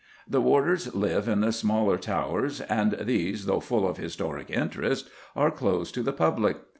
The warders live in the smaller towers, and these, though full of historic interest, are closed to the public.